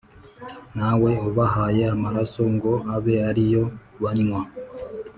nawe ubahaye amaraso ngo abe ari yo banywa,